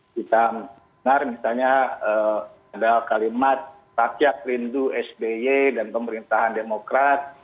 kita dengar misalnya ada kalimat rakyat rindu sby dan pemerintahan demokrat